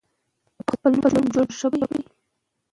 درپسې د پروګرام ثبت راښکاره کوي،